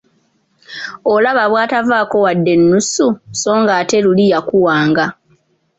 Olaba bw'atavaako wadde ennusu so ng'ate luli yazikuwanga.